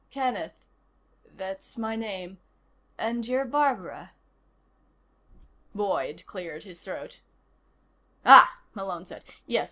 Kenneth. That's my name. And you're Barbara." Boyd cleared his throat. "Ah," Malone said. "Yes.